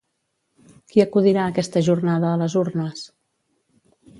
Qui acudirà aquesta jornada a les urnes?